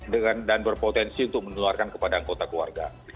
dan berpotensi untuk menularkan kepada anggota keluarga